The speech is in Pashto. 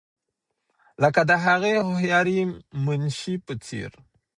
لکه د هغې هوښیارې منشي په څېر.